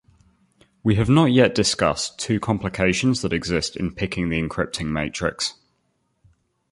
We have not yet discussed two complications that exist in picking the encrypting matrix.